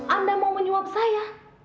anda mau menyuap saya